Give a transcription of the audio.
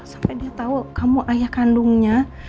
sampai dia tahu kamu ayah kandungnya